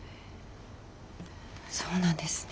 そうなんですね。